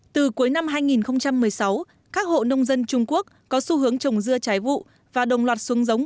từ cuối năm hai nghìn một mươi sáu các hộ nông dân trung quốc có xu hướng trồng dưa trái vụ và đồng loạt xuống giống